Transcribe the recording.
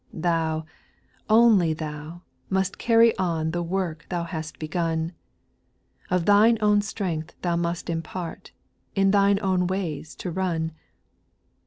6. Thou, only Thou, must carry on The work Thou hast begun ; Of Thine own strength Thou must impart, In Thine owa ways to run.